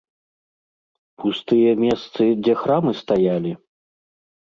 Пустыя месцы, дзе храмы стаялі?